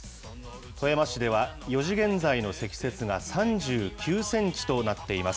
富山市では、４時現在の積雪が３９センチとなっています。